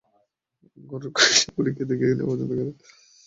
গরুর-খাসির ভুঁড়ি খেতে কে না পছন্দ করেন।